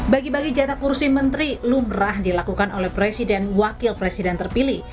bagi bagi jatah kursi menteri lumrah dilakukan oleh presiden wakil presiden terpilih